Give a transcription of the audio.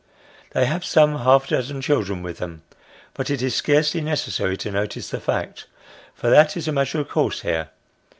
They have some half dozen children with them, but it is scarcely necessary to notice the fact, for that is a matter of course here.